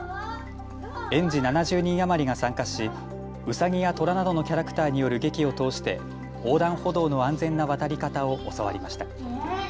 園児７０人余りが参加しうさぎや虎などのキャラクターによる劇を通して横断歩道の安全な渡り方を教わりました。